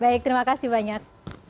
baik terima kasih banyak